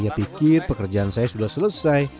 ia pikir pekerjaan saya sudah selesai